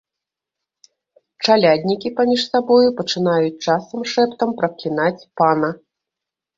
Чаляднікі паміж сабою пачынаюць часам шэптам праклінаць пана.